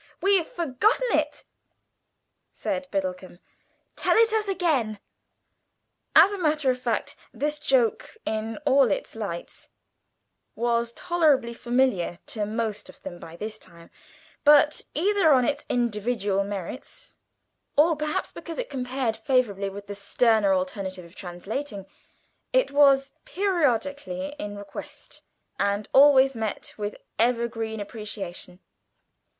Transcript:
"We've forgotten it," said Biddlecomb: "tell it us again." As a matter of fact this joke, in all its lights, was tolerably familiar to most of them by this time, but, either on its individual merits, or perhaps because it compared favourably with the sterner alternative of translating, it was periodically in request, and always met with evergreen appreciation.